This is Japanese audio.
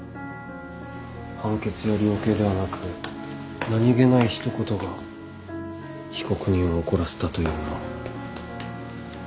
判決や量刑ではなく何げない一言が被告人を怒らせたというのは。